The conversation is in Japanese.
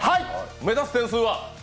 目指す点数は？